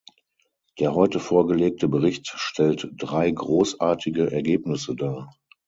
Der heute vorgelegte Bericht stellt drei großartige Ergebnisse dar.